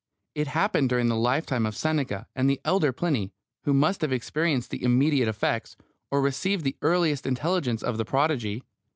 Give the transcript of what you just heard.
It happened during the lifetime of Seneca and the elder Pliny, who must have experienced the immediate effects, or received the earliest intelligence of the prodigy.